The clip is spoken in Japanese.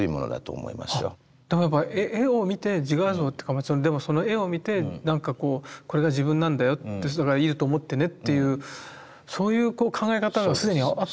でもやっぱ絵を見て自画像というかその絵を見て何かこうこれが自分なんだよだからいると思ってねというそういう考え方が既にあったと。